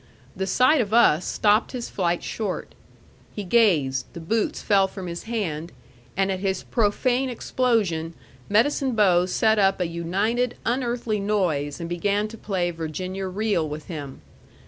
The sight of us stopped his flight short. He gazed, the boots fell from his hand; and at his profane explosion, Medicine Bow set up a united, unearthly noise and began to play Virginia reel with him.